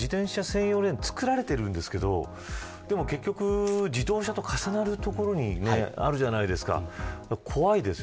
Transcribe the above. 最近、自転車専用レーンが作られているんですけど結局、自動車と重なる所にあるじゃないですか。